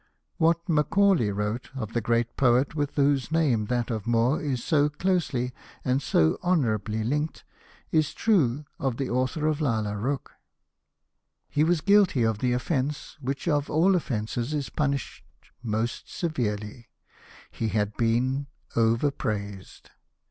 What Macaulay wrote of the great poet with whose name that of Moore is so closely and so honourably linked, is true of the author of " Lalla Rookh." " He was guilty of the offence which of all offences is punished most severely, he had been Hosted by Google xxiv POETRY OF THOMAS MOORE overpraised."